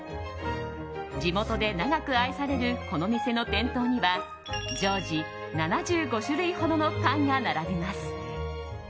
地元で長く愛されるこの店の店頭には常時７５種類ほどのパンが並びます。